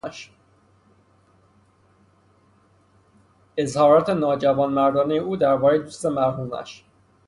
اظهارات ناجوانمردانهی او دربارهی دوست مرحومش.